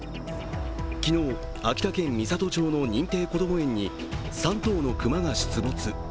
昨日、秋田県美郷町の認定こども園に３頭の熊が出没。